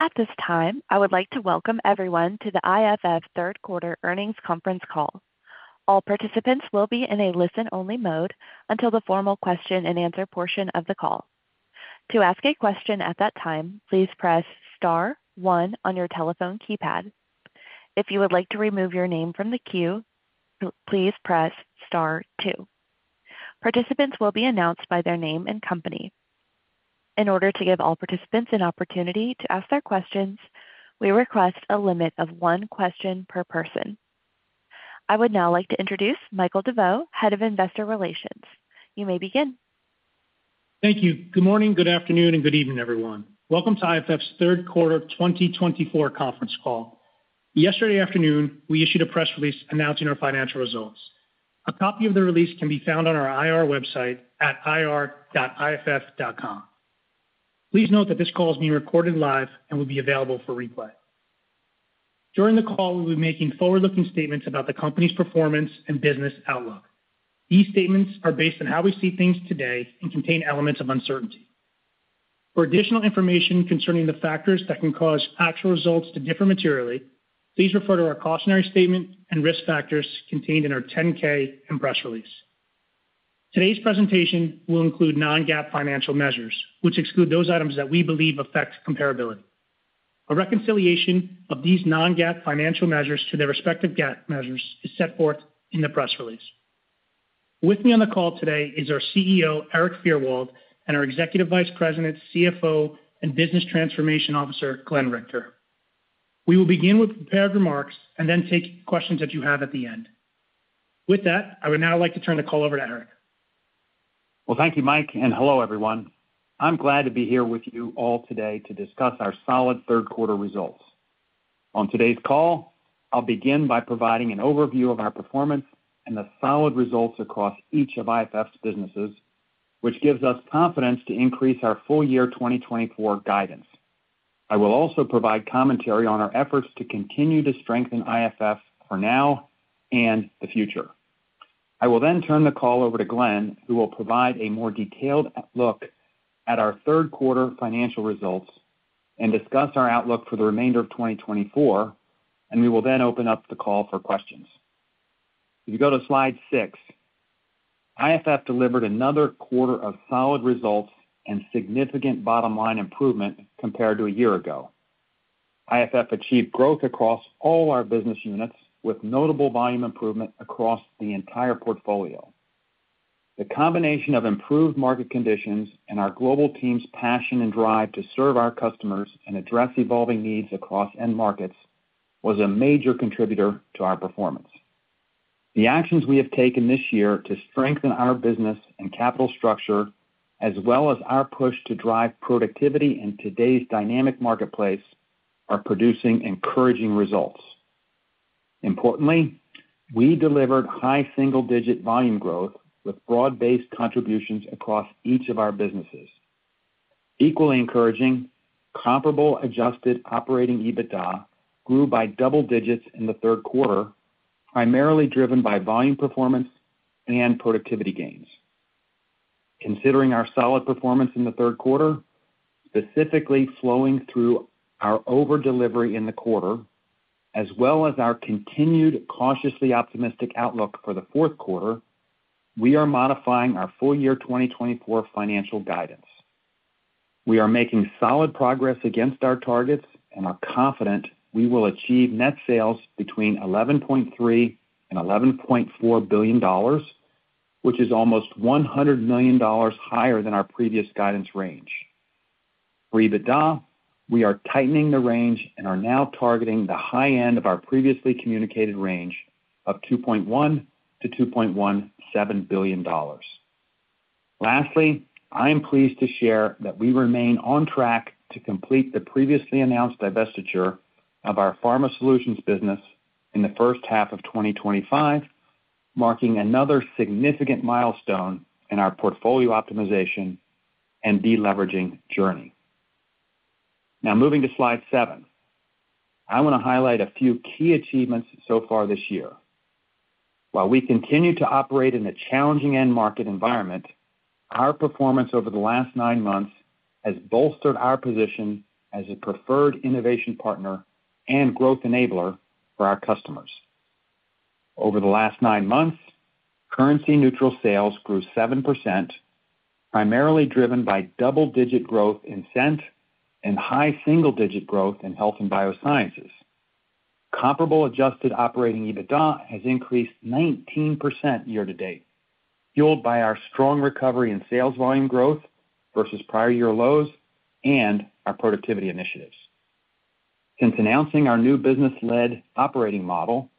At this time, I would like to welcome everyone to the IFF Third Quarter Earnings Conference call. All participants will be in a listen-only mode until the formal question-and-answer portion of the call. To ask a question at that time, please press star one on your telephone keypad. If you would like to remove your name from the queue, please press star two. Participants will be announced by their name and company. In order to give all participants an opportunity to ask their questions, we request a limit of one question per person. I would now like to introduce Michael Deveau, Head of Investor Relations. You may begin. Thank you. Good morning, good afternoon, and good evening, everyone. Welcome to IFF's Third Quarter 2024 conference call. Yesterday afternoon, we issued a press release announcing our financial results. A copy of the release can be found on our IR website at ir.iff.com. Please note that this call is being recorded live and will be available for replay. During the call, we will be making forward-looking statements about the company's performance and business outlook. These statements are based on how we see things today and contain elements of uncertainty. For additional information concerning the factors that can cause actual results to differ materially, please refer to our cautionary statement and risk factors contained in our 10-K and press release. Today's presentation will include non-GAAP financial measures, which exclude those items that we believe affect comparability. A reconciliation of these non-GAAP financial measures to their respective GAAP measures is set forth in the press release. With me on the call today is our CEO, Erik Fyrwald, and our Executive Vice President, CFO, and Business Transformation Officer, Glenn Richter. We will begin with prepared remarks and then take questions that you have at the end. With that, I would now like to turn the call over to Erik. Thank you, Mike, and hello, everyone. I'm glad to be here with you all today to discuss our solid third-quarter results. On today's call, I'll begin by providing an overview of our performance and the solid results across each of IFF's businesses, which gives us confidence to increase our full-year 2024 guidance. I will also provide commentary on our efforts to continue to strengthen IFF for now and the future. I will then turn the call over to Glenn, who will provide a more detailed look at our third-quarter financial results and discuss our outlook for the remainder of 2024, and we will then open up the call for questions. If you go to slide six, IFF delivered another quarter of solid results and significant bottom-line improvement compared to a year ago. IFF achieved growth across all our business units with notable volume improvement across the entire portfolio. The combination of improved market conditions and our global team's passion and drive to serve our customers and address evolving needs across end markets was a major contributor to our performance. The actions we have taken this year to strengthen our business and capital structure, as well as our push to drive productivity in today's dynamic marketplace, are producing encouraging results. Importantly, we delivered high single-digit volume growth with broad-based contributions across each of our businesses. Equally encouraging, comparable Adjusted Operating EBITDA grew by double digits in the third quarter, primarily driven by volume performance and productivity gains. Considering our solid performance in the third quarter, specifically flowing through our over-delivery in the quarter, as well as our continued cautiously optimistic outlook for the fourth quarter, we are modifying our full-year 2024 financial guidance. We are making solid progress against our targets and are confident we will achieve net sales between $11.3 billion and $11.4 billion, which is almost $100 million higher than our previous guidance range. For EBITDA, we are tightening the range and are now targeting the high end of our previously communicated range of $2.1 billion-$2.17 billion. Lastly, I am pleased to share that we remain on track to complete the previously announced divestiture of our Pharma Solutions business in the first half of 2025, marking another significant milestone in our portfolio optimization and deleveraging journey. Now, moving to slide seven, I want to highlight a few key achievements so far this year. While we continue to operate in a challenging end market environment, our performance over the last nine months has bolstered our position as a preferred innovation partner and growth enabler for our customers. Over the last nine months, currency-neutral sales grew 7%, primarily driven by double-digit growth in Scent and high single-digit growth in Health and Biosciences. Comparable adjusted operating EBITDA has increased 19% year to date, fueled by our strong recovery in sales volume growth versus prior year lows and our productivity initiatives. Since announcing our new business-led operating model,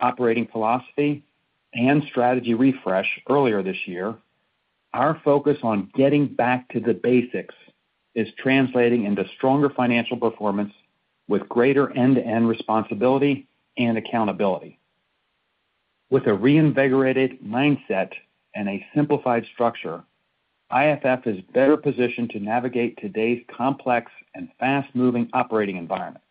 operating philosophy, and strategy refresh earlier this year, our focus on getting back to the basics is translating into stronger financial performance with greater end-to-end responsibility and accountability. With a reinvigorated mindset and a simplified structure, IFF is better positioned to navigate today's complex and fast-moving operating environment.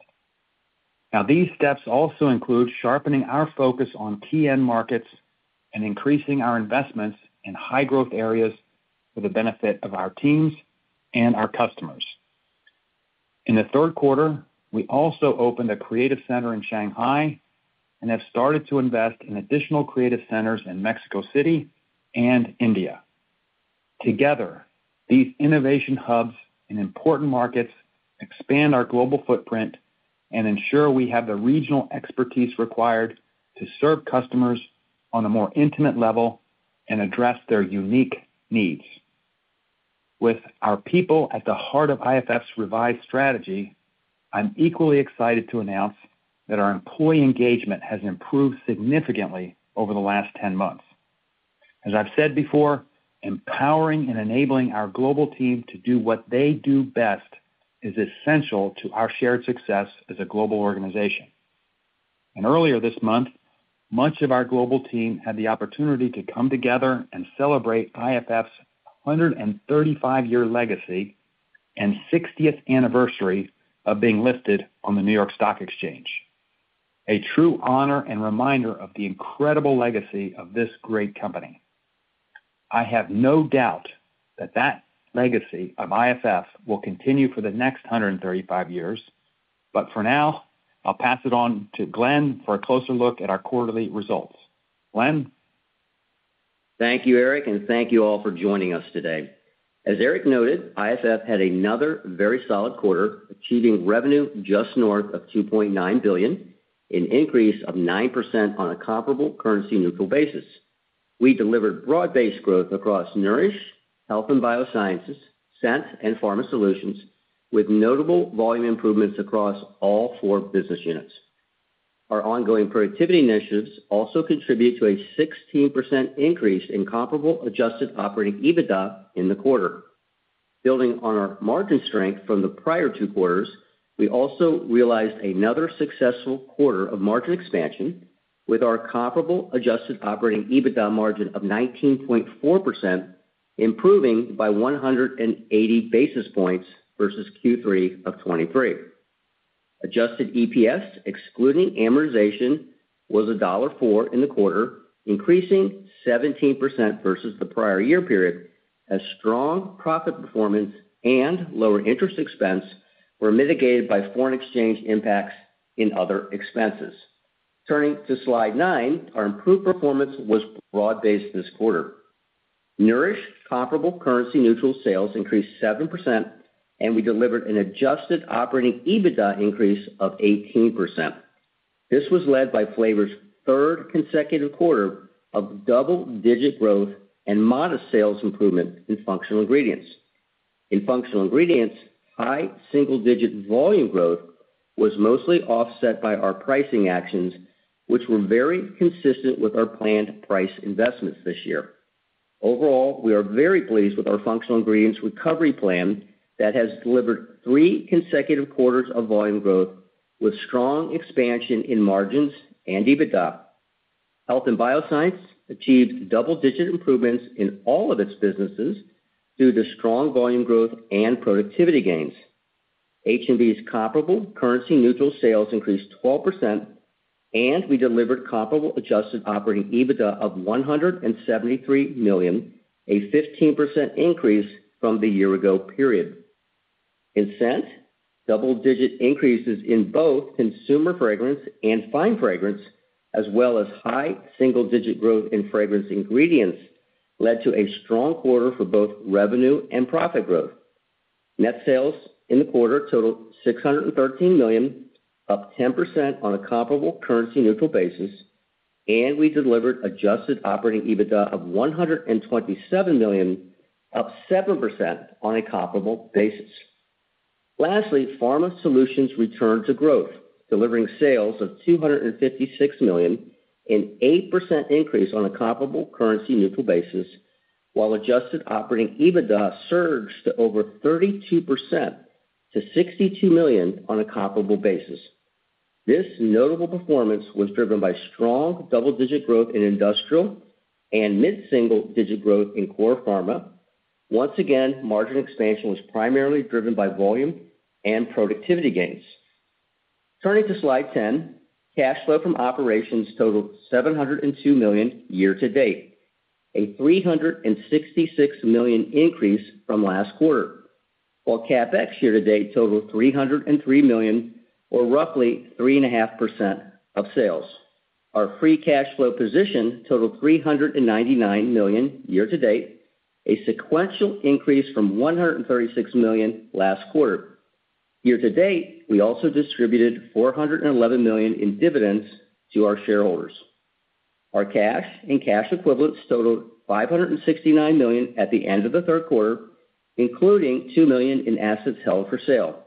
Now, these steps also include sharpening our focus on key end markets and increasing our investments in high-growth areas for the benefit of our teams and our customers. In the third quarter, we also opened a creative center in Shanghai and have started to invest in additional creative centers in Mexico City and India. Together, these innovation hubs in important markets expand our global footprint and ensure we have the regional expertise required to serve customers on a more intimate level and address their unique needs. With our people at the heart of IFF's revised strategy, I'm equally excited to announce that our employee engagement has improved significantly over the last 10 months. As I've said before, empowering and enabling our global team to do what they do best is essential to our shared success as a global organization, and earlier this month, much of our global team had the opportunity to come together and celebrate IFF's 135-year legacy and 60th anniversary of being listed on the New York Stock Exchange. A true honor and reminder of the incredible legacy of this great company. I have no doubt that that legacy of IFF will continue for the next 135 years, but for now, I'll pass it on to Glenn for a closer look at our quarterly results. Glenn. Thank you, Erik, and thank you all for joining us today. As Erik noted, IFF had another very solid quarter, achieving revenue just north of $2.9 billion, an increase of 9% on a comparable currency-neutral basis. We delivered broad-based growth across Nourish, Health and Biosciences, Scent, and Pharma Solutions, with notable volume improvements across all four business units. Our ongoing productivity initiatives also contribute to a 16% increase in comparable adjusted operating EBITDA in the quarter. Building on our margin strength from the prior two quarters, we also realized another successful quarter of margin expansion with our comparable adjusted operating EBITDA margin of 19.4%, improving by 180 basis points versus Q3 of 2023. Adjusted EPS, excluding amortization, was $1.04 in the quarter, increasing 17% versus the prior year period, as strong profit performance and lower interest expense were mitigated by foreign exchange impacts in other expenses. Turning to slide nine, our improved performance was broad-based this quarter. Nourish, comparable currency-neutral sales increased 7%, and we delivered an adjusted operating EBITDA increase of 18%. This was led by Flavors' third consecutive quarter of double-digit growth and modest sales improvement in Functional Ingredients. In Functional Ingredients, high single-digit volume growth was mostly offset by our pricing actions, which were very consistent with our planned price investments this year. Overall, we are very pleased with our Functional Ingredients recovery plan that has delivered three consecutive quarters of volume growth with strong expansion in margins and EBITDA. Health and Biosciences achieved double-digit improvements in all of its businesses due to strong volume growth and productivity gains. H&B's comparable currency-neutral sales increased 12%, and we delivered comparable adjusted operating EBITDA of $173 million, a 15% increase from the year-ago period. Scent, double-digit increases in both Consumer Fragrance and Fine Fragrance, as well as high single-digit growth in Fragrance Ingredients, led to a strong quarter for both revenue and profit growth. Net sales in the quarter totaled $613 million, up 10% on a comparable currency-neutral basis, and we delivered Adjusted Operating EBITDA of $127 million, up 7% on a comparable basis. Lastly, Pharma Solutions returned to growth, delivering sales of $256 million, an 8% increase on a comparable currency-neutral basis, while Adjusted Operating EBITDA surged to over 32% to $62 million on a comparable basis. This notable performance was driven by strong double-digit growth in Industrial and mid-single-digit growth in Core Pharma. Once again, margin expansion was primarily driven by volume and productivity gains. Turning to slide 10, cash flow from operations totaled $702 million year to date, a $366 million increase from last quarter, while CapEx year to date totaled $303 million, or roughly 3.5% of sales. Our free cash flow position totaled $399 million year to date, a sequential increase from $136 million last quarter. Year to date, we also distributed $411 million in dividends to our shareholders. Our cash and cash equivalents totaled $569 million at the end of the third quarter, including $2 million in assets held for sale.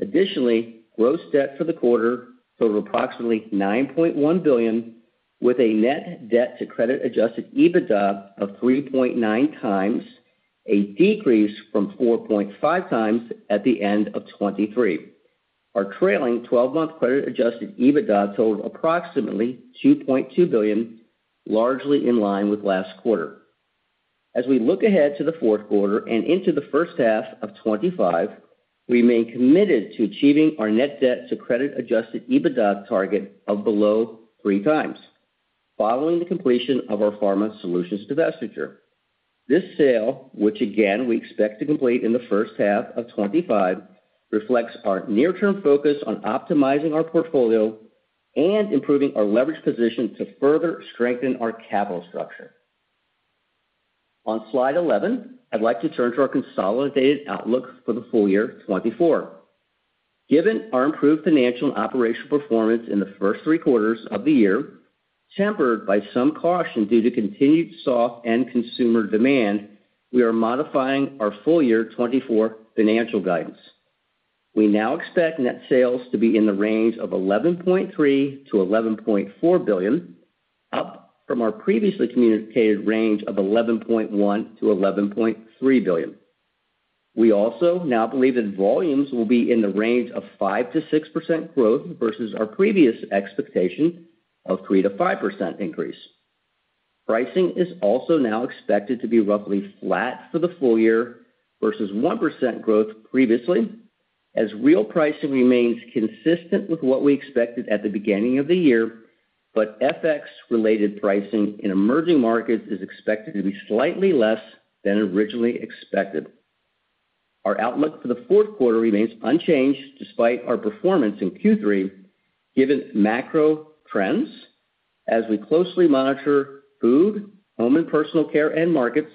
Additionally, gross debt for the quarter totaled approximately $9.1 billion, with a net debt-to-credit-adjusted EBITDA of 3.9x, a decrease from 4.5x at the end of 2023. Our trailing 12-month credit-adjusted EBITDA totaled approximately $2.2 billion, largely in line with last quarter. As we look ahead to the fourth quarter and into the first half of 2025, we remain committed to achieving our Net Debt-to-Credit Adjusted EBITDA target of below three times, following the completion of our Pharma Solutions divestiture. This sale, which again we expect to complete in the first half of 2025, reflects our near-term focus on optimizing our portfolio and improving our leverage position to further strengthen our capital structure. On slide 11, I'd like to turn to our consolidated outlook for the full year 2024. Given our improved financial and operational performance in the first three quarters of the year, tempered by some caution due to continued soft end consumer demand, we are modifying our full year 2024 financial guidance. We now expect net sales to be in the range of $11.3 billion-$11.4 billion, up from our previously communicated range of $11.1 billion-$11.3 billion. We also now believe that volumes will be in the range of 5%-6% growth versus our previous expectation of 3%-5% increase. Pricing is also now expected to be roughly flat for the full year versus 1% growth previously, as real pricing remains consistent with what we expected at the beginning of the year, but FX-related pricing in emerging markets is expected to be slightly less than originally expected. Our outlook for the fourth quarter remains unchanged despite our performance in Q3, given macro trends as we closely monitor food, home and personal care end markets,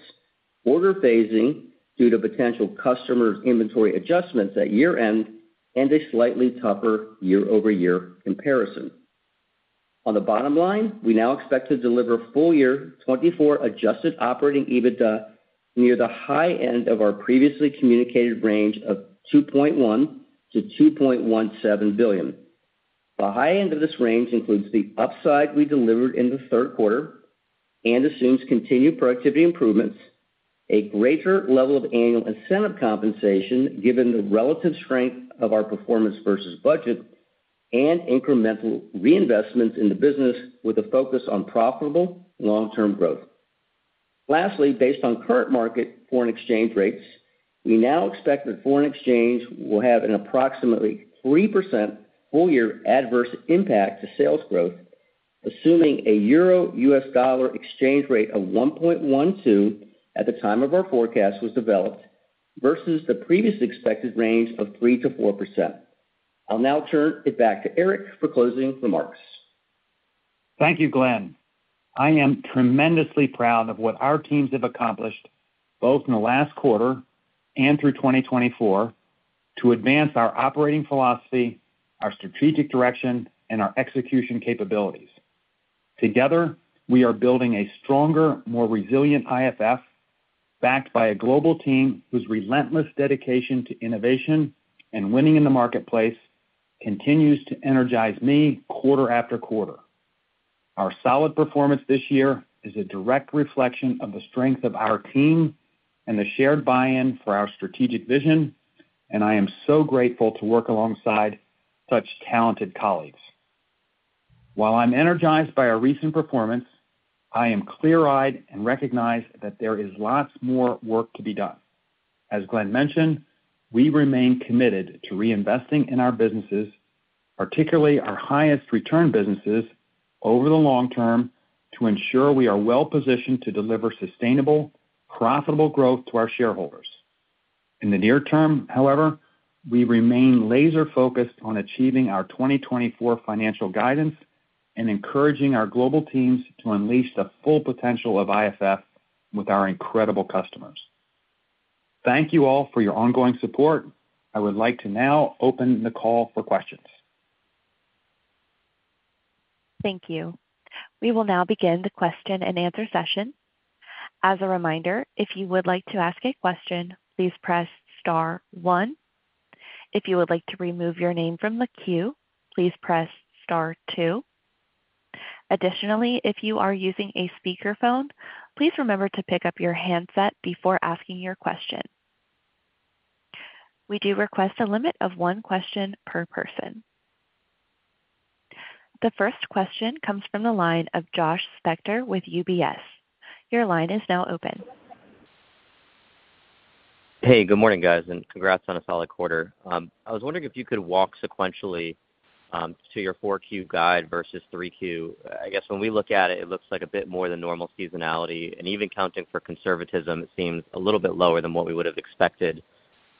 order phasing due to potential customer inventory adjustments at year-end, and a slightly tougher year-over-year comparison. On the bottom line, we now expect to deliver full year 2024 adjusted operating EBITDA near the high end of our previously communicated range of $2.1 billion-$2.17 billion. The high end of this range includes the upside we delivered in the third quarter and assumes continued productivity improvements, a greater level of annual incentive compensation given the relative strength of our performance versus budget, and incremental reinvestments in the business with a focus on profitable long-term growth. Lastly, based on current market foreign exchange rates, we now expect that foreign exchange will have an approximately 3% full-year adverse impact to sales growth, assuming a EUR/USD exchange rate of 1.12 at the time of our forecast was developed versus the previously expected range of 3%-4%. I'll now turn it back to Erik for closing remarks. Thank you, Glenn. I am tremendously proud of what our teams have accomplished both in the last quarter and through 2024 to advance our operating philosophy, our strategic direction, and our execution capabilities. Together, we are building a stronger, more resilient IFF backed by a global team whose relentless dedication to innovation and winning in the marketplace continues to energize me quarter after quarter. Our solid performance this year is a direct reflection of the strength of our team and the shared buy-in for our strategic vision, and I am so grateful to work alongside such talented colleagues. While I'm energized by our recent performance, I am clear-eyed and recognize that there is lots more work to be done. As Glenn mentioned, we remain committed to reinvesting in our businesses, particularly our highest return businesses, over the long term to ensure we are well-positioned to deliver sustainable, profitable growth to our shareholders. In the near term, however, we remain laser-focused on achieving our 2024 financial guidance and encouraging our global teams to unleash the full potential of IFF with our incredible customers. Thank you all for your ongoing support. I would like to now open the call for questions. Thank you. We will now begin the question and answer session. As a reminder, if you would like to ask a question, please press star one. If you would like to remove your name from the queue, please press star two. Additionally, if you are using a speakerphone, please remember to pick up your handset before asking your question. We do request a limit of one question per person. The first question comes from the line of Josh Spector with UBS. Your line is now open. Hey, good morning, guys, and congrats on a solid quarter. I was wondering if you could walk sequentially to your 4Q guide versus 3Q. I guess when we look at it, it looks like a bit more than normal seasonality, and even accounting for conservatism, it seems a little bit lower than what we would have expected.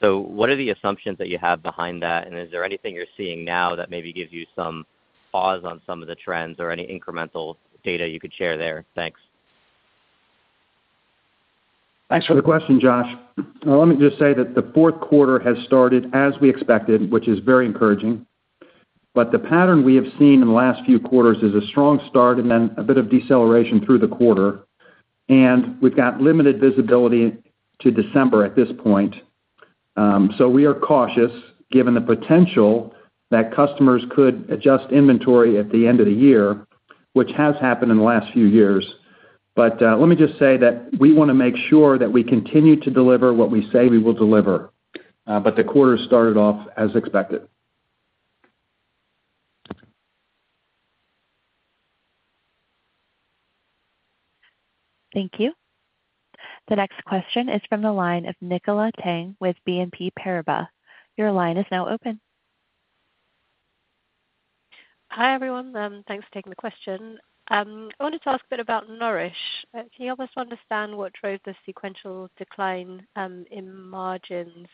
So what are the assumptions that you have behind that, and is there anything you're seeing now that maybe gives you some pause on some of the trends or any incremental data you could share there? Thanks. Thanks for the question, Josh. Let me just say that the fourth quarter has started as we expected, which is very encouraging, but the pattern we have seen in the last few quarters is a strong start and then a bit of deceleration through the quarter, and we've got limited visibility to December at this point. So we are cautious given the potential that customers could adjust inventory at the end of the year, which has happened in the last few years. But let me just say that we want to make sure that we continue to deliver what we say we will deliver, but the quarter started off as expected. Thank you. The next question is from the line of Nicola Tang with BNP Paribas. Your line is now open. Hi, everyone. Thanks for taking the question. I wanted to ask a bit about Nourish. Can you help us understand what drove the sequential decline in margins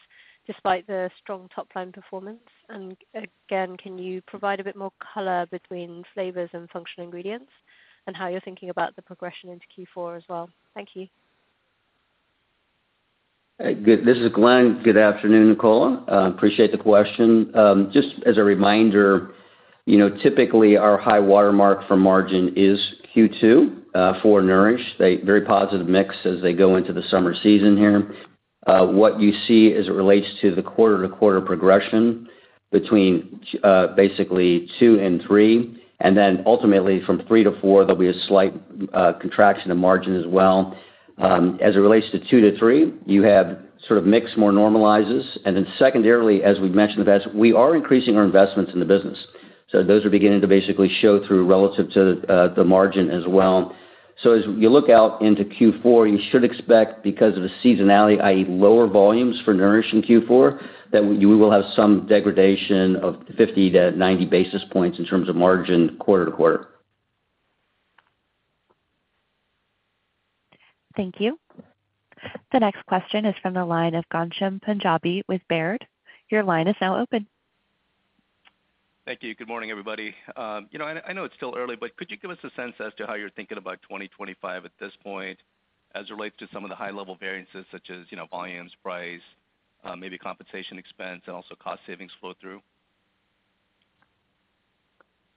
despite the strong top-line performance? And again, can you provide a bit more color between Flavors and Functional Ingredients and how you're thinking about the progression into Q4 as well? Thank you. Good. This is Glenn. Good afternoon, Nicola. Appreciate the question. Just as a reminder, typically our high watermark for margin is Q2 for Nourish. They have a very positive mix as they go into the summer season here. What you see as it relates to the quarter-to-quarter progression between basically two and three, and then ultimately from three to four, there'll be a slight contraction of margin as well. As it relates to two to three, you have sort of mix more normalizes. And then secondarily, as we've mentioned in the past, we are increasing our investments in the business. So those are beginning to basically show through relative to the margin as well. So as you look out into Q4, you should expect, because of the seasonality, i.e., lower volumes for Nourish in Q4, that we will have some degradation of 50 basis points-90 basis points in terms of margin quarter to quarter. Thank you. The next question is from the line of Ghansham Panjabi with Baird. Your line is now open. Thank you. Good morning, everybody. You know, I know it's still early, but could you give us a sense as to how you're thinking about 2025 at this point as it relates to some of the high-level variances such as volumes, price, maybe compensation expense, and also cost savings flow through?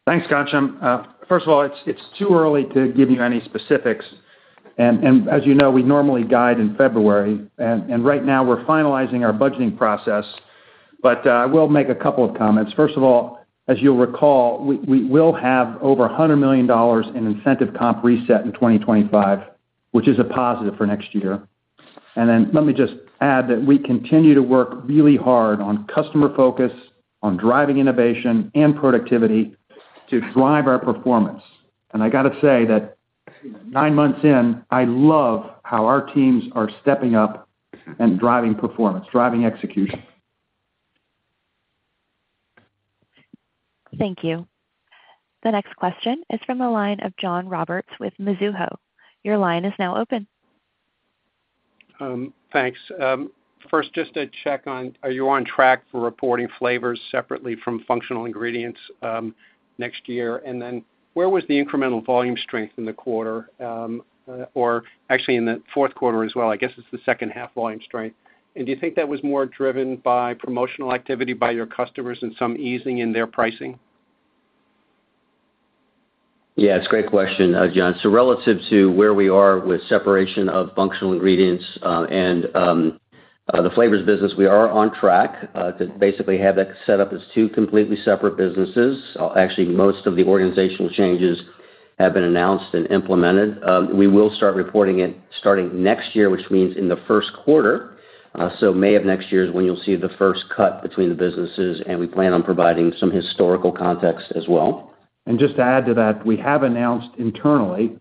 Thanks, Ghansham. First of all, it's too early to give you any specifics, and as you know, we normally guide in February, and right now we're finalizing our budgeting process, but I will make a couple of comments. First of all, as you'll recall, we will have over $100 million in incentive comp reset in 2025, which is a positive for next year, and then let me just add that we continue to work really hard on customer focus, on driving innovation and productivity to drive our performance, and I got to say that nine months in, I love how our teams are stepping up and driving performance, driving execution. Thank you. The next question is from the line of John Roberts with Mizuho. Your line is now open. Thanks. First, just to check on, are you on track for reporting Flavors separately from Functional Ingredients next year? And then where was the incremental volume strength in the quarter, or actually in the fourth quarter as well? I guess it's the second half volume strength. And do you think that was more driven by promotional activity by your customers and some easing in their pricing? Yeah, it's a great question, John. So relative to where we are with separation of Functional Ingredients and the Flavors business, we are on track to basically have that set up as two completely separate businesses. Actually, most of the organizational changes have been announced and implemented. We will start reporting it starting next year, which means in the first quarter. So May of next year is when you'll see the first cut between the businesses, and we plan on providing some historical context as well. And just to add to that, we have announced internally.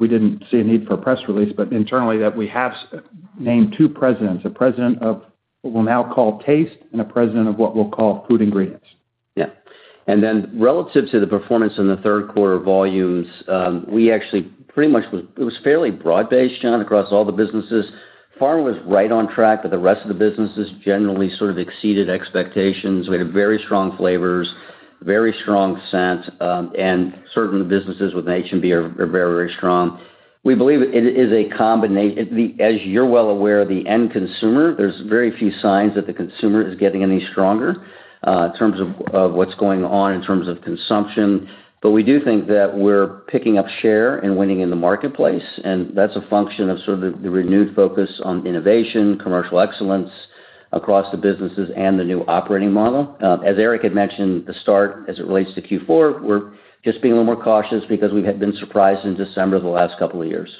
We didn't see a need for a press release, but internally that we have named two presidents, a president of what we'll now call Taste and a president of what we'll call Food Ingredients. Yeah. And then relative to the performance in the third quarter volumes, we actually pretty much was fairly broad-based, John, across all the businesses. Pharma was right on track, but the rest of the businesses generally sort of exceeded expectations. We had very strong Flavors, very strong scents, and certain businesses with H&B are very, very strong. We believe it is a combination. As you're well aware, the end consumer, there's very few signs that the consumer is getting any stronger in terms of what's going on in terms of consumption. But we do think that we're picking up share and winning in the marketplace, and that's a function of sort of the renewed focus on innovation, commercial excellence across the businesses and the new operating model. As Erik had mentioned, the start as it relates to Q4, we're just being a little more cautious because we had been surprised in December the last couple of years.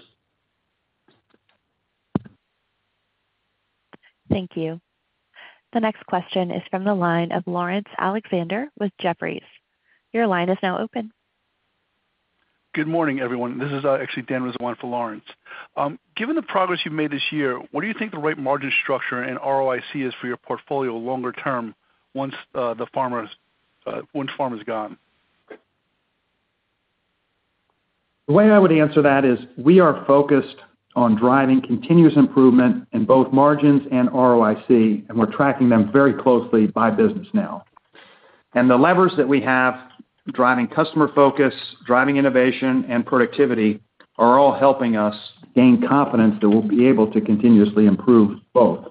Thank you. The next question is from the line of Laurence Alexander with Jefferies. Your line is now open. Good morning, everyone. This is actually Dan Rizzo for Laurence. Given the progress you've made this year, what do you think the right margin structure and ROIC is for your portfolio longer term once Pharma's gone? The way I would answer that is we are focused on driving continuous improvement in both margins and ROIC, and we're tracking them very closely by business now. And the levers that we have, driving customer focus, driving innovation, and productivity are all helping us gain confidence that we'll be able to continuously improve both.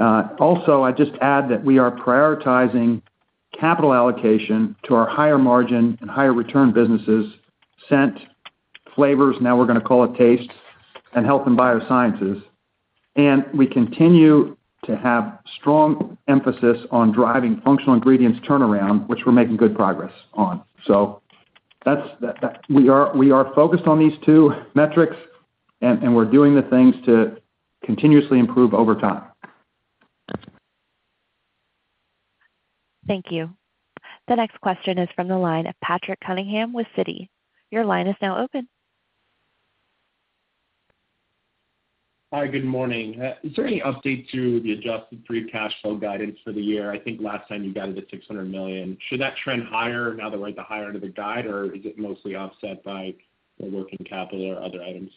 Also, I just add that we are prioritizing capital allocation to our higher margin and higher return businesses, scent, Flavors, now we're going to call it taste, and health and biosciences. And we continue to have strong emphasis on driving Functional Ingredients turnaround, which we're making good progress on. So we are focused on these two metrics, and we're doing the things to continuously improve over time. Thank you. The next question is from the line of Patrick Cunningham with Citi. Your line is now open. Hi, good morning. Is there any update to the adjusted free cash flow guidance for the year? I think last time you guided at $600 million. Should that trend higher now that we're at the high end of the guide, or is it mostly offset by working capital or other items?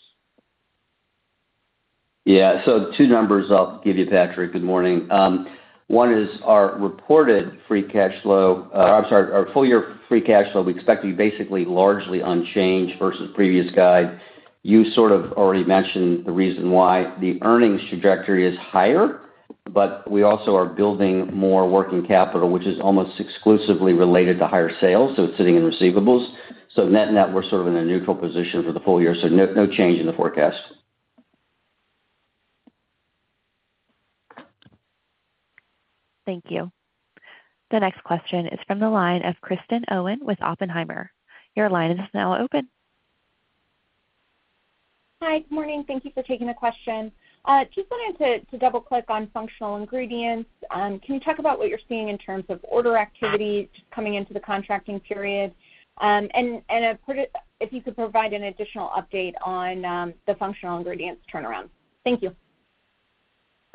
Yeah, so two numbers I'll give you, Patrick. Good morning. One is our reported free cash flow, or I'm sorry, our full-year free cash flow. We expect to be basically largely unchanged versus previous guide. You sort of already mentioned the reason why. The earnings trajectory is higher, but we also are building more working capital, which is almost exclusively related to higher sales, so it's sitting in receivables. So net net, we're sort of in a neutral position for the full year, so no change in the forecast. Thank you. The next question is from the line of Kristen Owen with Oppenheimer. Your line is now open. Hi, good morning. Thank you for taking the question. Just wanted to double-click on Functional Ingredients. Can you talk about what you're seeing in terms of order activity coming into the contracting period? And if you could provide an additional update on the Functional Ingredients turnaround. Thank you.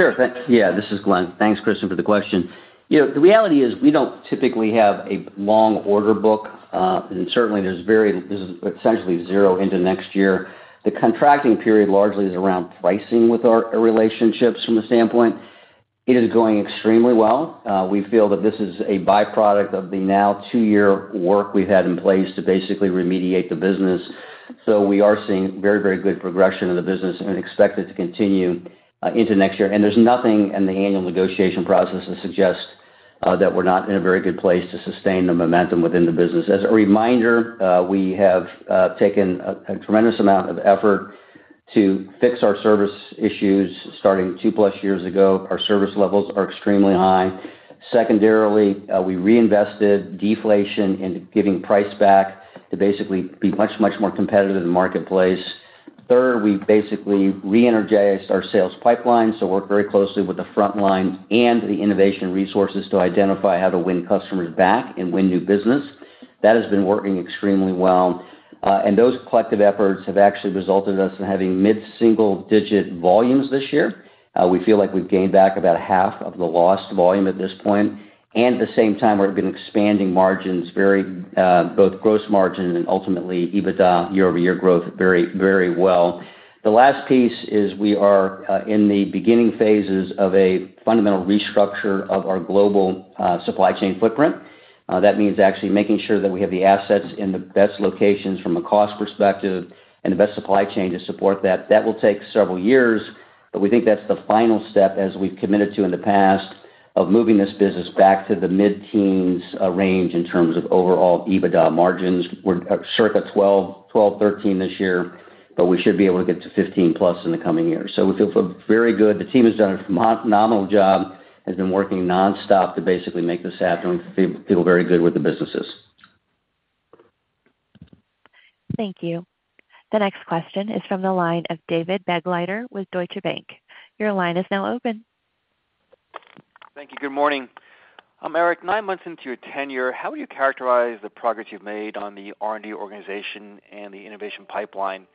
Sure. Yeah, this is Glenn. Thanks, Kristen, for the question. The reality is we don't typically have a long order book, and certainly there's very essentially zero into next year. The contracting period largely is around pricing with our relationships from the standpoint. It is going extremely well. We feel that this is a byproduct of the now two-year work we've had in place to basically remediate the business. So we are seeing very, very good progression of the business and expect it to continue into next year. And there's nothing in the annual negotiation process to suggest that we're not in a very good place to sustain the momentum within the business. As a reminder, we have taken a tremendous amount of effort to fix our service issues starting two-plus years ago. Our service levels are extremely high. Secondarily, we reinvested deflation into giving price back to basically be much, much more competitive in the marketplace. Third, we basically re-energized our sales pipeline, so we're very closely with the front line and the innovation resources to identify how to win customers back and win new business. That has been working extremely well. And those collective efforts have actually resulted in us having mid-single-digit volumes this year. We feel like we've gained back about half of the lost volume at this point. And at the same time, we've been expanding margins, both gross margin and ultimately EBITDA year-over-year growth very, very well. The last piece is we are in the beginning phases of a fundamental restructure of our global supply chain footprint. That means actually making sure that we have the assets in the best locations from a cost perspective and the best supply chain to support that. That will take several years, but we think that's the final step, as we've committed to in the past, of moving this business back to the mid-teens range in terms of overall EBITDA margins. We're circa 12%-13% this year, but we should be able to get to 15%+ in the coming year. So we feel very good. The team has done a phenomenal job, has been working nonstop to basically make this happen. We feel very good with the businesses. Thank you. The next question is from the line of David Begleiter with Deutsche Bank. Your line is now open. Thank you. Good morning. Erik, nine months into your tenure, how would you characterize the progress you've made on the R&D organization and the innovation pipeline?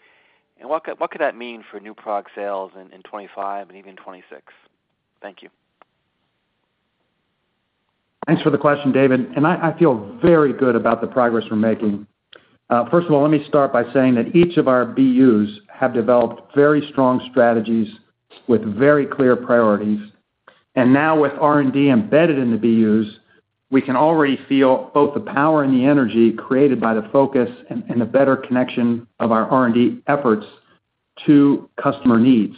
And what could that mean for new product sales in 2025 and even 2026? Thank you. Thanks for the question, David. And I feel very good about the progress we're making. First of all, let me start by saying that each of our BUs have developed very strong strategies with very clear priorities. And now with R&D embedded in the BUs, we can already feel both the power and the energy created by the focus and the better connection of our R&D efforts to customer needs.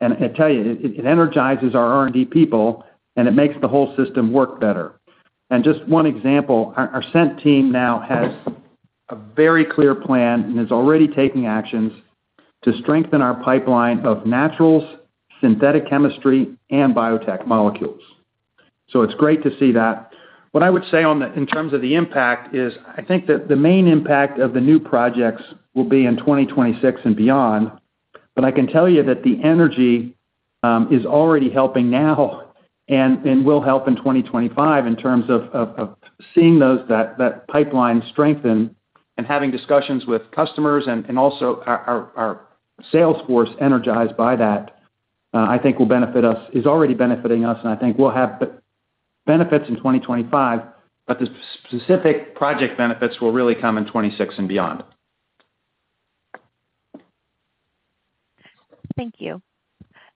And I tell you, it energizes our R&D people, and it makes the whole system work better. And just one example, our Scent team now has a very clear plan and is already taking actions to strengthen our pipeline of naturals, synthetic chemistry, and biotech molecules. So it's great to see that. What I would say in terms of the impact is I think that the main impact of the new projects will be in 2026 and beyond, but I can tell you that the energy is already helping now and will help in 2025 in terms of seeing that pipeline strengthen and having discussions with customers and also our sales force energized by that. I think will benefit us, is already benefiting us, and I think we'll have benefits in 2025, but the specific project benefits will really come in 2026 and beyond. Thank you.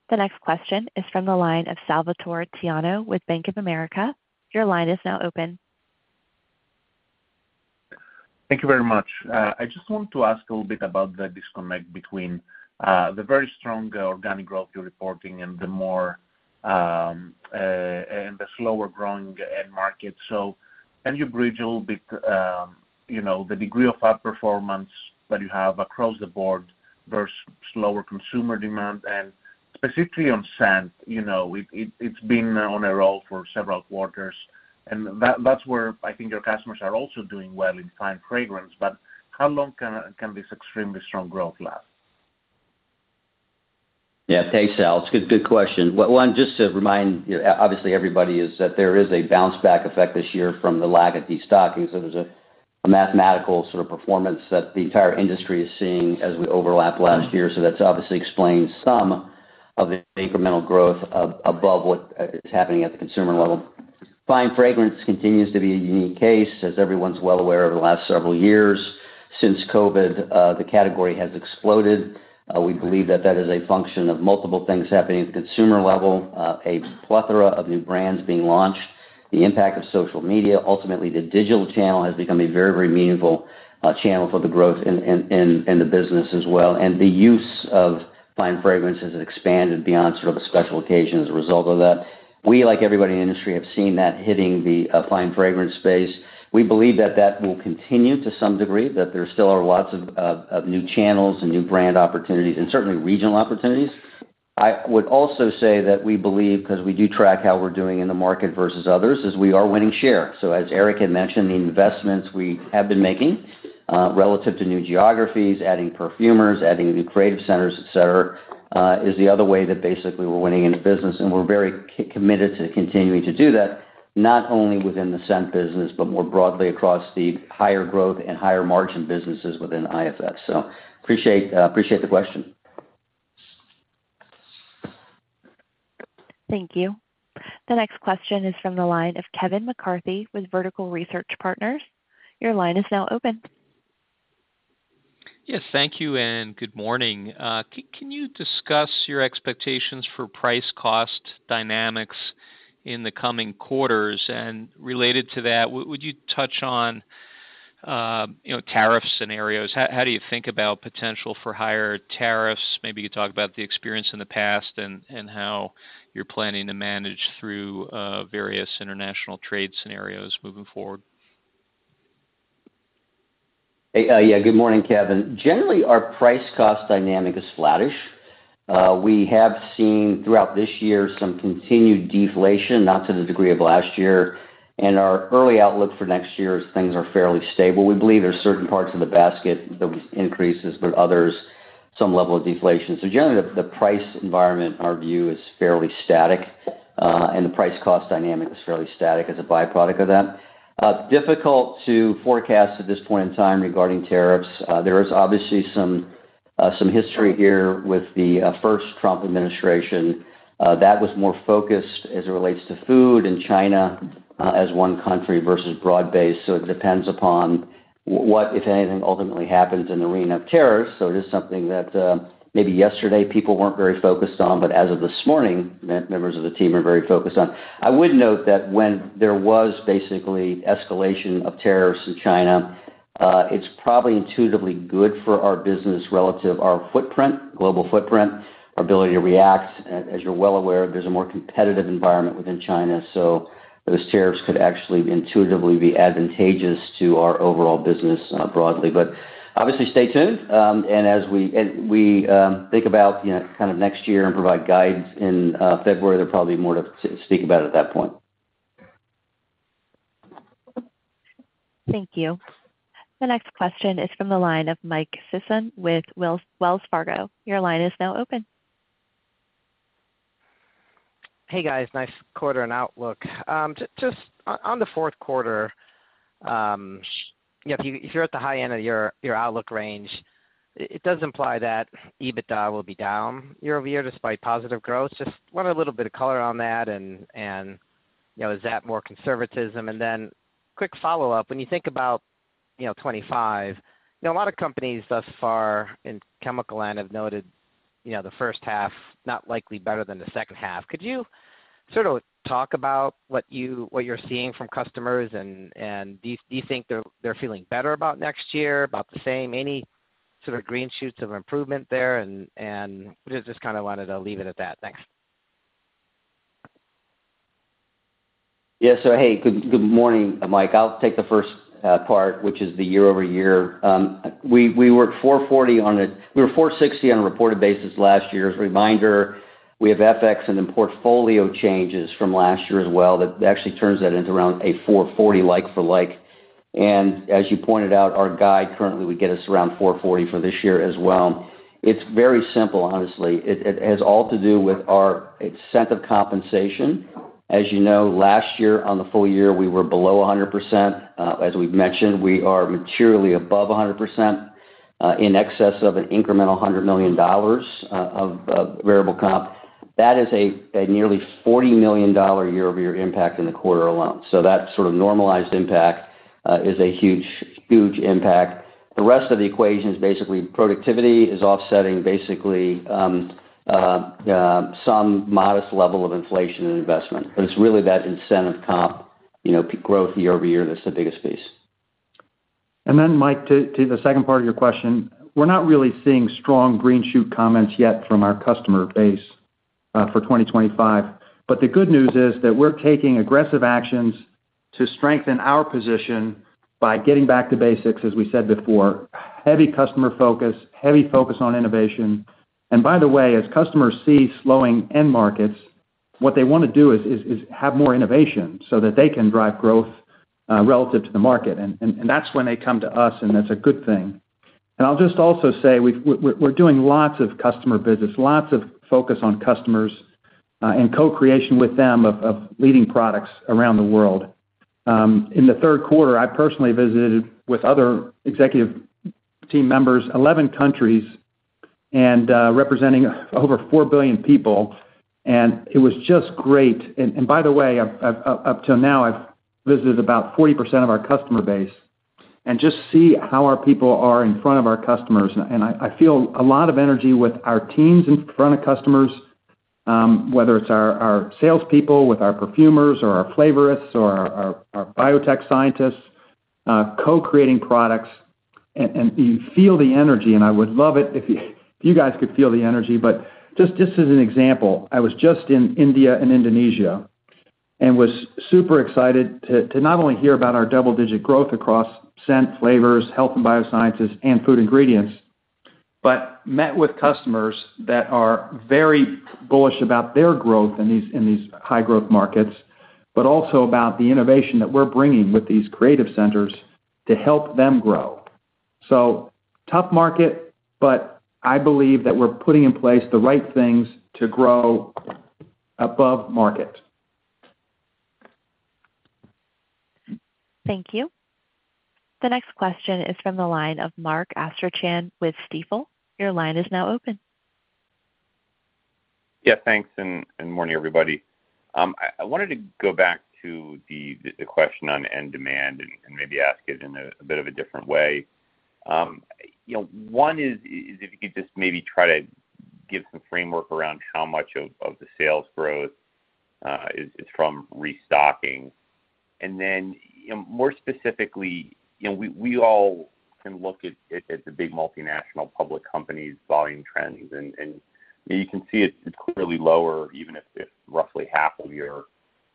The next question is from the line of Salvatore Tiano with Bank of America. Your line is now open. Thank you very much. I just want to ask a little bit about the disconnect between the very strong organic growth you're reporting and the slower growing market. So can you bridge a little bit the degree of outperformance that you have across the board versus slower consumer demand? And specifically on scent, it's been on a roll for several quarters. And that's where I think your customers are also doing well in Fine Fragrance, but how long can this extremely strong growth last? Yeah, thanks, Al. It's a good question. One, just to remind obviously everybody is that there is a bounce-back effect this year from the lag of destocking. So there's a mathematical sort of performance that the entire industry is seeing as we overlap last year. So that obviously explains some of the incremental growth above what is happening at the consumer level. Fine Fragrance continues to be a unique case, as everyone's well aware over the last several years. Since COVID, the category has exploded. We believe that that is a function of multiple things happening at the consumer level, a plethora of new brands being launched, the impact of social media. Ultimately, the digital channel has become a very, very meaningful channel for the growth in the business as well. And the use of Fine Fragrance has expanded beyond sort of a special occasion as a result of that. We, like everybody in the industry, have seen that hitting the Fine Fragrance space. We believe that that will continue to some degree, that there still are lots of new channels and new brand opportunities and certainly regional opportunities. I would also say that we believe, because we do track how we're doing in the market versus others, is we are winning share. So as Erik had mentioned, the investments we have been making relative to new geographies, adding perfumers, adding new creative centers, etc., is the other way that basically we're winning in the business. And we're very committed to continuing to do that, not only within the Scent business, but more broadly across the higher growth and higher margin businesses within IFF. So appreciate the question. Thank you. The next question is from the line of Kevin McCarthy with Vertical Research Partners. Your line is now open. Yes, thank you, and good morning. Can you discuss your expectations for price-cost dynamics in the coming quarters? And related to that, would you touch on tariff scenarios? How do you think about potential for higher tariffs? Maybe you could talk about the experience in the past and how you're planning to manage through various international trade scenarios moving forward. Yeah, good morning, Kevin. Generally, our price-cost dynamic is flattish. We have seen throughout this year some continued deflation, not to the degree of last year. And our early outlook for next year is things are fairly stable. We believe there are certain parts of the basket that will increase, but others, some level of deflation. So generally, the price environment, our view, is fairly static, and the price-cost dynamic is fairly static as a byproduct of that. Difficult to forecast at this point in time regarding tariffs. There is obviously some history here with the first Trump administration. That was more focused as it relates to food and China as one country versus broad-based. So it depends upon what, if anything, ultimately happens in the arena of tariffs. So it is something that maybe yesterday people weren't very focused on, but as of this morning, members of the team are very focused on. I would note that when there was basically escalation of tariffs in China, it's probably intuitively good for our business relative to our footprint, global footprint, our ability to react. As you're well aware, there's a more competitive environment within China, so those tariffs could actually intuitively be advantageous to our overall business broadly. But obviously, stay tuned. And as we think about kind of next year and provide guidance in February, there'll probably be more to speak about at that point. Thank you. The next question is from the line of Mike Sisson with Wells Fargo. Your line is now open. Hey, guys. Nice quarter and outlook. Just on the fourth quarter, if you're at the high end of your outlook range, it does imply that EBITDA will be down year over year despite positive growth. Just want a little bit of color on that, and is that more conservatism? And then quick follow-up. When you think about 2025, a lot of companies thus far in chemical land have noted the first half not likely better than the second half. Could you sort of talk about what you're seeing from customers, and do you think they're feeling better about next year, about the same, any sort of green shoots of improvement there? And just kind of wanted to leave it at that. Thanks. Yeah. So, hey, good morning, Mike. I'll take the first part, which is the year-over-year. We were $440 on a, we were $460 on a reported basis last year. As a reminder, we have FX and portfolio changes from last year as well that actually turns that into around a $440 like-for-like. And as you pointed out, our guide currently would get us around $440 for this year as well. It's very simple, honestly. It has all to do with our incentive compensation. As you know, last year on the full year, we were below 100%. As we've mentioned, we are materially above 100% in excess of an incremental $100 million of variable comp. That is a nearly $40 million year-over-year impact in the quarter alone. So that sort of normalized impact is a huge, huge impact. The rest of the equation is basically productivity is offsetting basically some modest level of inflation and investment. But it's really that incentive comp growth year over year that's the biggest piece. And then, Mike, to the second part of your question, we're not really seeing strong green shoot comments yet from our customer base for 2025. But the good news is that we're taking aggressive actions to strengthen our position by getting back to basics, as we said before, heavy customer focus, heavy focus on innovation. And by the way, as customers see slowing end markets, what they want to do is have more innovation so that they can drive growth relative to the market. And that's when they come to us, and that's a good thing. And I'll just also say we're doing lots of customer business, lots of focus on customers and co-creation with them of leading products around the world. In the third quarter, I personally visited with other executive team members, 11 countries, and representing over four billion people. And it was just great. And by the way, up till now, I've visited about 40% of our customer base and just see how our people are in front of our customers. And I feel a lot of energy with our teams in front of customers, whether it's our salespeople with our perfumers or our flavorists or our biotech scientists co-creating products. And you feel the energy, and I would love it if you guys could feel the energy. But just as an example, I was just in India and Indonesia and was super excited to not only hear about our double-digit growth across Scent, Flavors, Health and Biosciences, and Food Ingredients, but met with customers that are very bullish about their growth in these high-growth markets, but also about the innovation that we're bringing with these creative centers to help them grow. So tough market, but I believe that we're putting in place the right things to grow above market. Thank you. The next question is from the line of Mark Astrachan with Stifel. Your line is now open. Yeah, thanks. Good morning, everybody. I wanted to go back to the question on end demand and maybe ask it in a bit of a different way. One is if you could just maybe try to give some framework around how much of the sales growth is from restocking. And then more specifically, we all can look at the big multinational public companies' volume trends, and you can see it's clearly lower, even if roughly half of your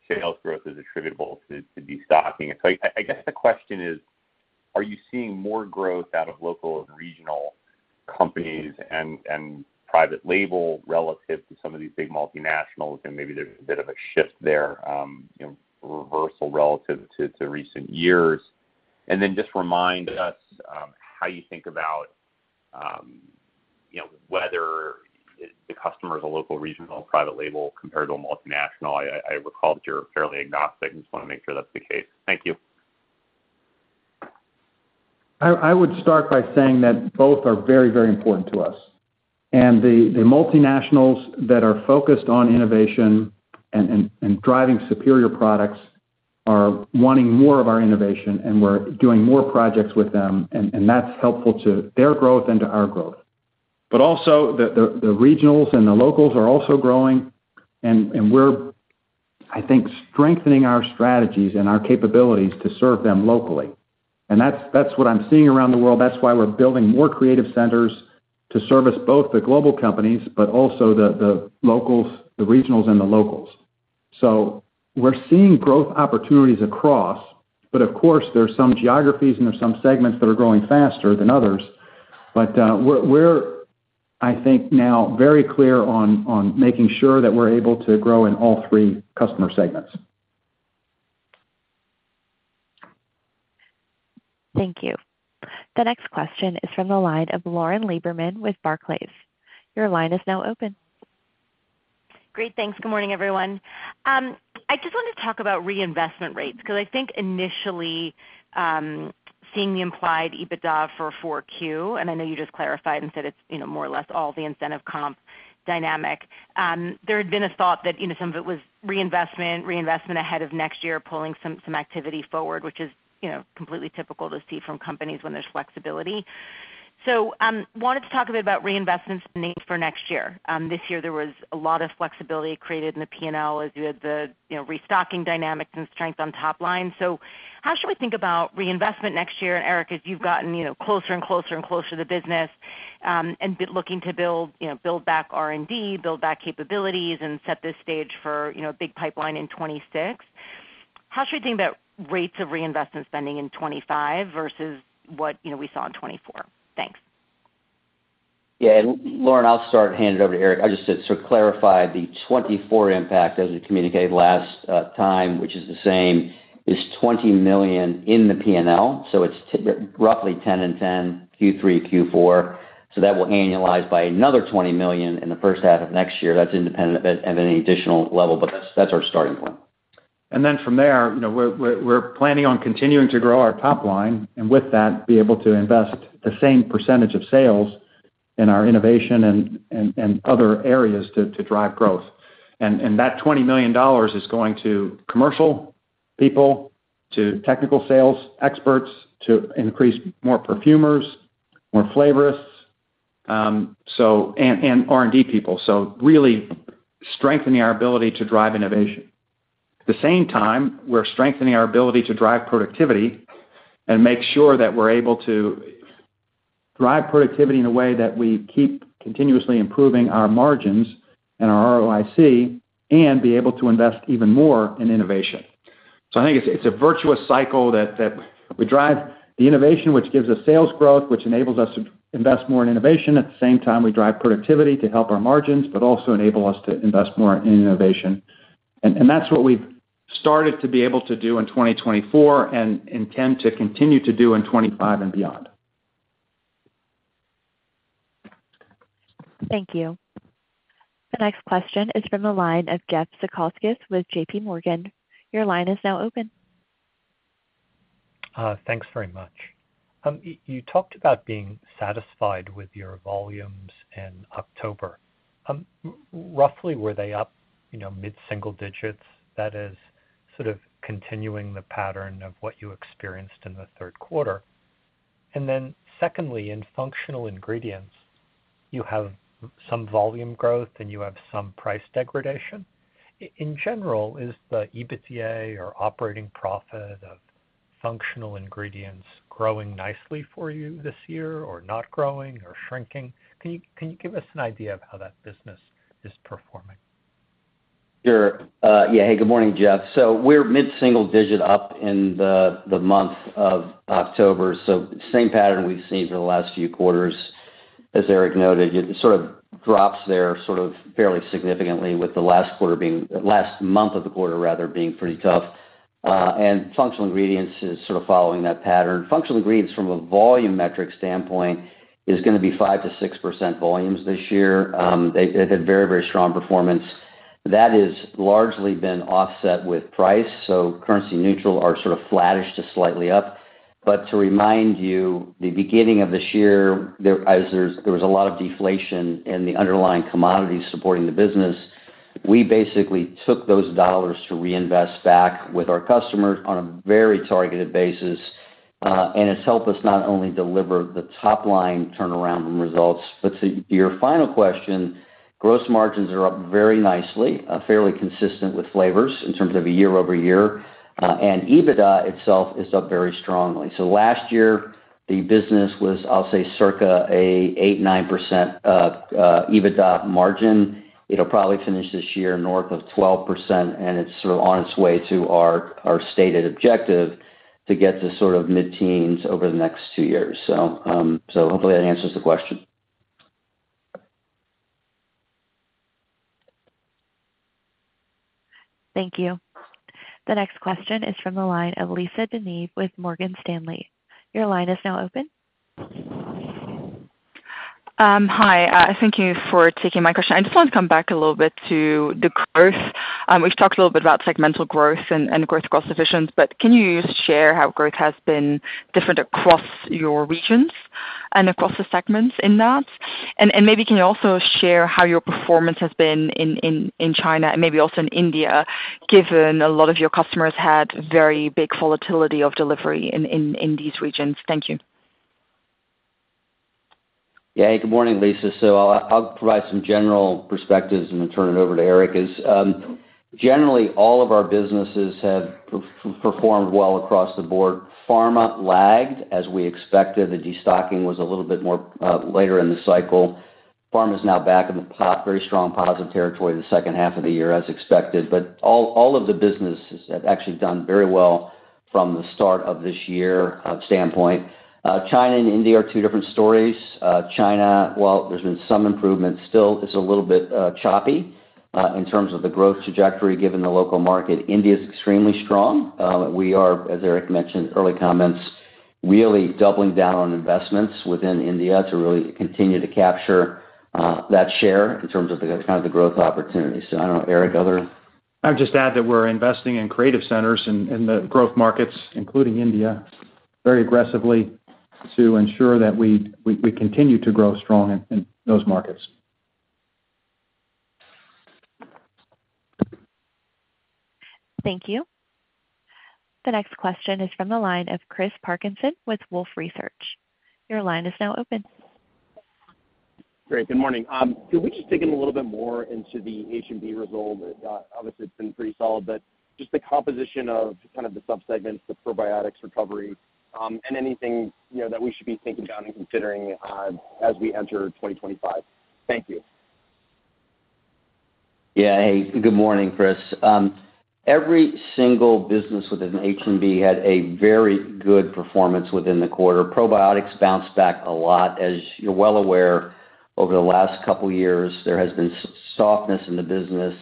sales growth is attributable to destocking. So I guess the question is, are you seeing more growth out of local and regional companies and private label relative to some of these big multinationals? And maybe there's a bit of a shift there, reversal relative to recent years. And then just remind us how you think about whether the customer is a local, regional, private label compared to a multinational. I recall that you're fairly agnostic and just want to make sure that's the case. Thank you. I would start by saying that both are very, very important to us. And the multinationals that are focused on innovation and driving superior products are wanting more of our innovation, and we're doing more projects with them, and that's helpful to their growth and to our growth. But also, the regionals and the locals are also growing, and we're, I think, strengthening our strategies and our capabilities to serve them locally. And that's what I'm seeing around the world. That's why we're building more creative centers to service both the global companies, but also the regionals and the locals. So we're seeing growth opportunities across, but of course, there are some geographies and there are some segments that are growing faster than others. But we're, I think, now very clear on making sure that we're able to grow in all three customer segments. Thank you. The next question is from the line of Lauren Lieberman with Barclays. Your line is now open. Great. Thanks. Good morning, everyone. I just wanted to talk about reinvestment rates because I think initially seeing the implied EBITDA for 4Q, and I know you just clarified and said it's more or less all the incentive comp dynamic, there had been a thought that some of it was reinvestment, reinvestment ahead of next year, pulling some activity forward, which is completely typical to see from companies when there's flexibility. So I wanted to talk a bit about reinvestment spending for next year. This year, there was a lot of flexibility created in the P&L as you had the restocking dynamic and strength on top line. So how should we think about reinvestment next year? Erik, as you've gotten closer and closer and closer to the business and looking to build back R&D, build back capabilities, and set the stage for a big pipeline in 2026, how should we think about rates of reinvestment spending in 2025 versus what we saw in 2024? Thanks. Yeah. And Lauren, I'll start and hand it over to Erik. I just said to clarify the 2024 impact as we communicated last time, which is the same, is $20 million in the P&L. So it's roughly $10 million and $10 million, Q3, Q4. So that will annualize by another $20 million in the first half of next year. That's independent of any additional level, but that's our starting point. And then from there, we're planning on continuing to grow our top line and with that, be able to invest the same percentage of sales in our innovation and other areas to drive growth. And that $20 million is going to commercial people, to technical sales experts, to increase more perfumers, more flavorists, and R&D people, so really strengthening our ability to drive innovation. At the same time, we're strengthening our ability to drive productivity and make sure that we're able to drive productivity in a way that we keep continuously improving our margins and our ROIC and be able to invest even more in innovation. So I think it's a virtuous cycle that we drive the innovation, which gives us sales growth, which enables us to invest more in innovation. At the same time, we drive productivity to help our margins, but also enable us to invest more in innovation. And that's what we've started to be able to do in 2024 and intend to continue to do in 2025 and beyond. Thank you. The next question is from the line of Jeffrey Zekauskas with JP Morgan. Your line is now open. Thanks very much. You talked about being satisfied with your volumes in October. Roughly, were they up mid-single digits? That is sort of continuing the pattern of what you experienced in the third quarter. And then secondly, in Functional Ingredients, you have some volume growth and you have some price degradation. In general, is the EBITDA or operating profit of Functional Ingredients growing nicely for you this year or not growing or shrinking? Can you give us an idea of how that business is performing? Sure. Yeah. Hey, good morning, Jeff. So we're mid-single digit up in the month of October. So same pattern we've seen for the last few quarters. As Erik noted, it sort of drops there sort of fairly significantly with the last quarter being last month of the quarter, rather, being pretty tough. Functional Ingredients is sort of following that pattern. Functional Ingredients from a volume metric standpoint is going to be 5%-6% volumes this year. They've had very, very strong performance. That has largely been offset with price. So currency neutral are sort of flattish to slightly up. But to remind you, the beginning of this year, there was a lot of deflation in the underlying commodities supporting the business. We basically took those dollars to reinvest back with our customers on a very targeted basis, and it's helped us not only deliver the top-line turnaround and results, but to your final question, gross margins are up very nicely, fairly consistent with Flavors in terms of a year-over-year, and EBITDA itself is up very strongly. So last year, the business was, I'll say, circa an 8%-9% EBITDA margin. It'll probably finish this year north of 12%, and it's sort of on its way to our stated objective to get to sort of mid-teens over the next two years. So hopefully, that answers the question. Thank you. The next question is from the line of Lisa De Neve with Morgan Stanley. Your line is now open. Hi. Thank you for taking my question. I just wanted to come back a little bit to the growth. We've talked a little bit about segmental growth and growth cost efficiency, but can you share how growth has been different across your regions and across the segments in that? And maybe can you also share how your performance has been in China and maybe also in India, given a lot of your customers had very big volatility of delivery in these regions? Thank you. Yeah. Hey, good morning, Lisa. So I'll provide some general perspectives and then turn it over to Erik. Generally, all of our businesses have performed well across the board. Pharma lagged as we expected. The destocking was a little bit more later in the cycle. Pharma is now back in the very strong positive territory of the second half of the year as expected. But all of the businesses have actually done very well from the start of this year standpoint. China and India are two different stories. China, well, there's been some improvement. Still, it's a little bit choppy in terms of the growth trajectory given the local market. India is extremely strong. We are, as Erik mentioned in early comments, really doubling down on investments within India to really continue to capture that share in terms of the kind of growth opportunities. So I don't know, Erik, other. I would just add that we're investing in creative centers in the growth markets, including India, very aggressively to ensure that we continue to grow strong in those markets. Thank you. The next question is from the line of Chris Parkinson with Wolfe Research. Your line is now open. Great. Good morning. Could we just dig in a little bit more into the H&B result? Obviously, it's been pretty solid, but just the composition of kind of the subsegments, the probiotics recovery, and anything that we should be thinking about and considering as we enter 2025. Thank you. Yeah. Hey, good morning, Chris. Every single business within H&B had a very good performance within the quarter. Probiotics bounced back a lot. As you're well aware, over the last couple of years, there has been softness in the business,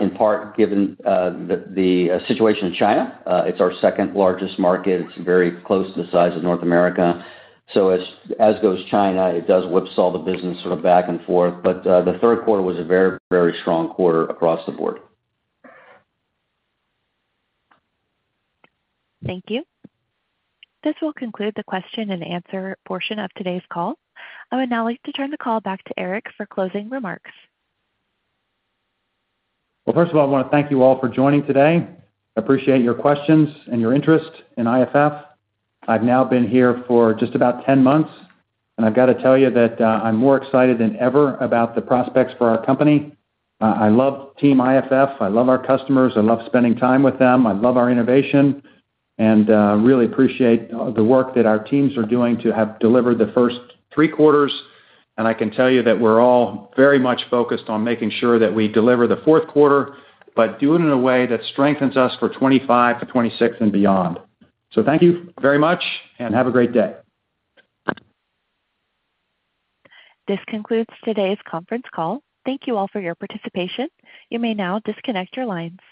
in part given the situation in China. It's our second-largest market. It's very close to the size of North America. So as goes China, it does whip-saw the business sort of back and forth. But the third quarter was a very, very strong quarter across the board. Thank you. This will conclude the question-and-answer portion of today's call. I would now like to turn the call back to Erik for closing remarks. First of all, I want to thank you all for joining today. I appreciate your questions and your interest in IFF. I've now been here for just about 10 months, and I've got to tell you that I'm more excited than ever about the prospects for our company. I love Team IFF. I love our customers. I love spending time with them. I love our innovation and really appreciate the work that our teams are doing to have delivered the first three quarters. And I can tell you that we're all very much focused on making sure that we deliver the fourth quarter, but do it in a way that strengthens us for 2025, 2026, and beyond. So thank you very much, and have a great day. This concludes today's conference call. Thank you all for your participation. You may now disconnect your lines.